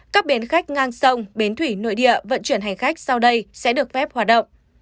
các bến khách ngang sông bến thủy nội địa vận chuyển hành khách sau đây sẽ được phép hoạt động